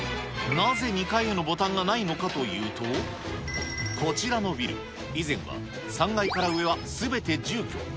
なぜ２階へのボタンがないのかというと、こちらのビル、以前は３階から上はすべて住居。